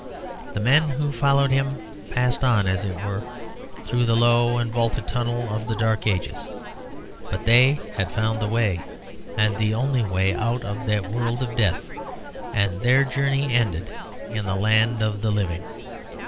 The men who followed him passed on, as it were, through the low and vaulted tunnel of the Dark Ages; but they had found the way, and the only way, out of that world of death, and their journey ended in the land of the living.